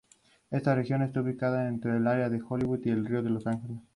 Esta región está ubicada entre el área de Hollywood y el río Los Ángeles.